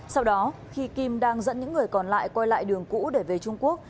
sau đó khi kim đang dẫn những người còn lại quay lại đường cũ để về trung quốc